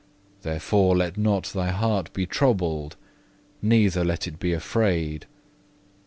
Therefore let not thy heart be troubled, neither let it be afraid.